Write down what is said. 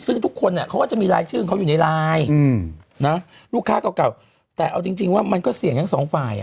ซึ่งทุกคนน่ะเขาจะมีไลน์ชื่องอยู่ในไลน์นะรู้ค้าเก่าแต่เอาจริงว่ามันก็เสี่ยงทั้งสองฟ้า